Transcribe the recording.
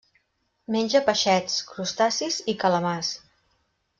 Menja peixets, crustacis i calamars.